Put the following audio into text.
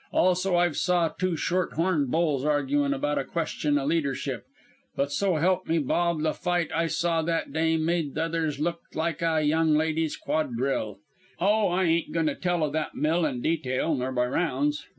Also I've saw two short horn bulls arguin' about a question o' leadership, but so help me Bob the fight I saw that day made the others look like a young ladies' quadrille. Oh, I ain't goin' to tell o' that mill in detail, nor by rounds.